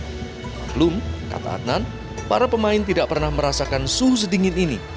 belum kata adnan para pemain tidak pernah merasakan suhu sedingin ini